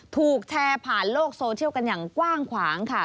ถูกแชร์ผ่านโลกโซเชียลกันอย่างกว้างขวางค่ะ